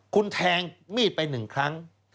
คุณแทงมีดไปหนึ่งครั้ง